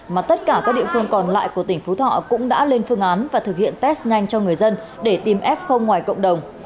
mà tất cả các địa phương còn lại của tỉnh phú thọ cũng đã lên phương án và thực hiện test nhanh cho người dân để tìm f ngoài cộng đồng